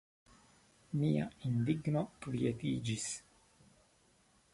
Mia indigno kvietiĝis.